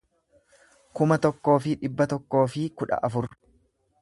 kuma tokkoo fi dhibba tokkoo fi kudha afur